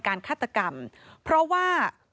การฆ่าตกรรมเพราะว่า